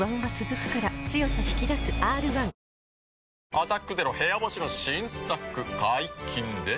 「アタックＺＥＲＯ部屋干し」の新作解禁です。